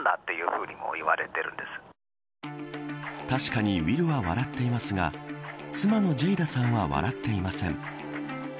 確かにウィルは笑っていますが妻のジェイダさんは笑っていません。